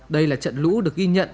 đây là trận lũ được ghi nhận